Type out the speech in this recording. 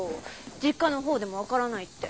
実家のほうでも分からないって。